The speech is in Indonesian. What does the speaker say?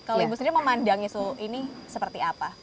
kalau ibu sendiri memandang isu ini seperti apa